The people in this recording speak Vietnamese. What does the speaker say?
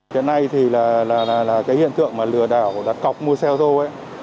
hiện nay thì là cái hiện tượng mà lừa đảo đặt cọc mua xe ô tô ấy